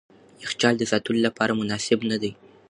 یخچال د ساتلو لپاره مناسب نه دی.